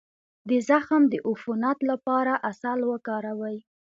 د زخم د عفونت لپاره عسل وکاروئ